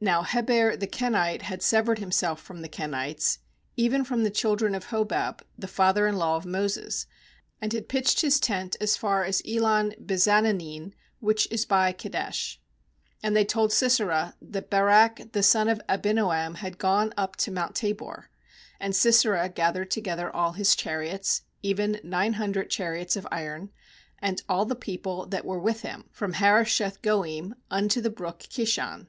uNow Heber the Kenite had sev ered himself from the Kenites, even from the children of Hobab the father in law of Moses, and had pitched his tent as far as Elon bezaanannim, which is by Kedesh. ^And they told Sisera that Barak the son of Abinoam was gone up to mount Tabor. ^And Sisera gathered together all his chariots, even nine hundred chariots of iron, and all the people that were with him, from Harosheth goiim, unto the brook Ki shon.